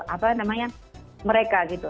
apa namanya mereka gitu